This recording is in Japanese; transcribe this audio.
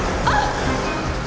あっ。